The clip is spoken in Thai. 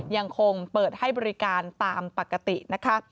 ยังคงเปิดให้บริการตามปกตินะคะ